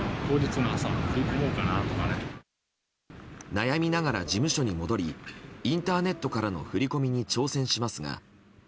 悩みながら事務所に戻りインターネットからの振り込みに挑戦しますが。